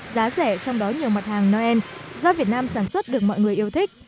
giá rẻ trong đó nhiều mặt hàng noel do việt nam sản xuất được mọi người yêu thích